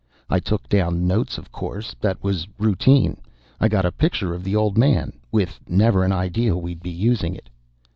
I took down notes, of course; that was routine. I got a picture of the old man, with never an idea we'd be using it.